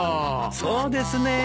そうですねえ。